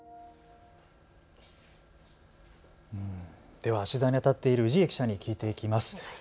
では取材にあたっている氏家記者に聞いていきます。